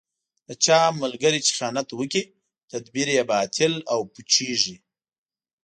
د چا ملګری چې خیانت وکړي، تدبیر یې باطل او پوچېـږي.